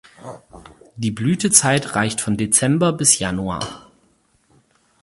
Die Blütezeit reicht von Dezember bis Januar.